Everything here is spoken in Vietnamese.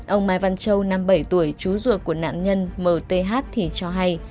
ông mai văn châu năm mươi bảy tuổi chú ruột của nạn nhân m t h thì cho hay